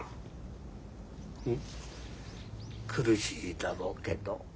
苦しいだろうけど。